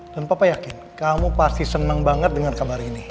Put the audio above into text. dan papa yakin kamu pasti senang banget dengan kabar ini